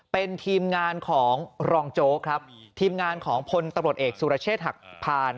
เป็นทีมงานของรองโจ๊กครับทีมงานของพลตำรวจเอกสุรเชษฐ์หักผ่าน